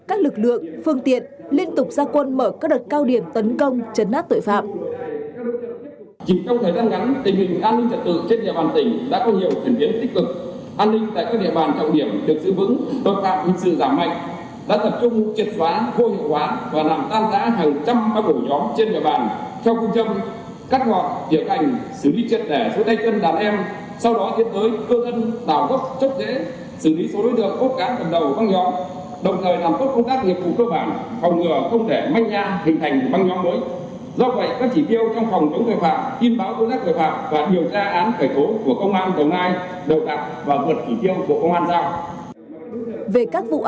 các lực lượng phương tiện liên tục ra quân mở các đợt cao điểm tấn công chấn nát tội phạm